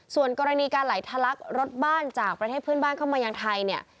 ส่วนกรณีการไหลทะลักรถบ้านจากประเทศเพื่อนบ้านเข้ามายังไทยเนี่ย